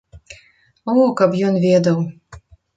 О, каб ён ведаў!